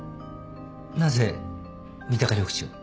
なぜ三鷹緑地を？